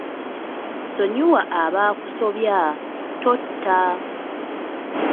Sonyiwa abakusobya, totta.